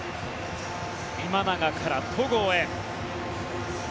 今永から戸郷へ。